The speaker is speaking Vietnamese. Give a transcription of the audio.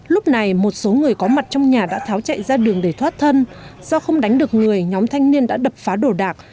lúc này một số người có mặt trong nhà đã tháo chạy ra đường để thoát thân do không đánh được người nhóm thanh niên đã đập phá đồ đạc